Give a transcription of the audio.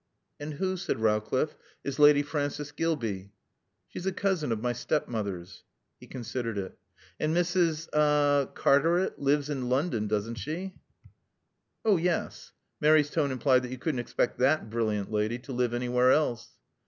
"And who," said Rowcliffe, "is Lady Frances Gilbey?" "She's a cousin of my stepmother's." He considered it. "And Mrs. er Cartaret lives in London, doesn't she?" "Oh, yes." Mary's tone implied that you couldn't expect that brilliant lady to live anywhere else.